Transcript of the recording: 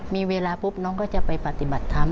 มีเวลาปุ๊บน้องก็จะไปปฏิบัติธรรม